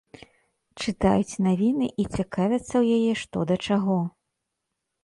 Чытаюць навіны і цікавяцца ў яе што да чаго.